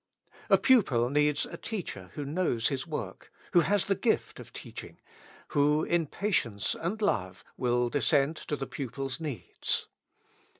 A pupil needs a teacher who knows his work, who has the gift of teaching, who in patience and love will descend to the pupil's needs.